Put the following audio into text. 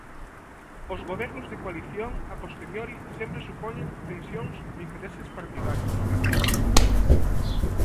Os gobernos de coalición a posteriori sempre supoñen tensións de intereses partidarios.